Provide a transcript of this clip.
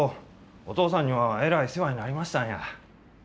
お父さんにはえらい世話になりましたんや。